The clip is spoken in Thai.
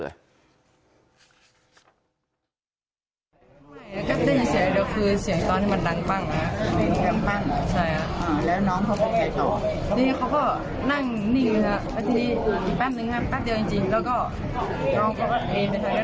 แล้วก็น้องก็อีกไปทางนั้นค่ะ